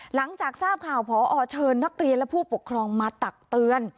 หลังจากทราบข่าวพอเชิญนักเรียนและผู้ปกครองมาตักเตือน